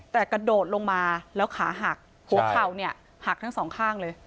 แต่กระโดดลงมาแล้วขาหักหัวเข่าเนี่ยหักทั้งสองข้างเลย